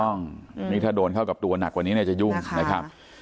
ถูกต้องนี่ถ้าโดนเข้ากับตัวหนักกว่านี้เนี่ยจะยุ่งนะครับ